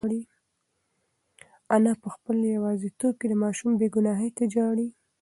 انا په خپل یوازیتوب کې د ماشوم بېګناهۍ ته ژاړي.